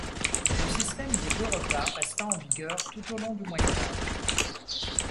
Le système des deux repas resta en vigueur tout au long du Moyen Âge.